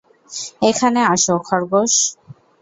এখানে আসো, খরগোশ!